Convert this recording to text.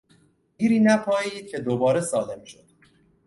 دیری نپایید که دوباره سالم شد.